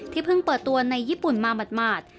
เพิ่งเปิดตัวในญี่ปุ่นมาหมาด